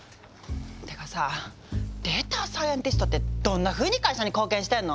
てかさデータサイエンティストってどんなふうに会社に貢献してんの？